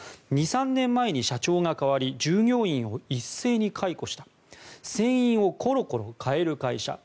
２３年前に社長が代わり従業員を一斉に解雇した船員をころころ変える会社